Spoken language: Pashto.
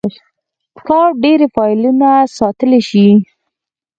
کلاوډ ډېری فایلونه ساتلی شي.